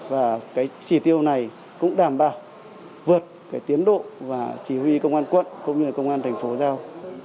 và cái chỉ tiêu này cũng đảm bảo vượt cái tiến độ và chỉ huy công an quận cũng như là công an thành phố giao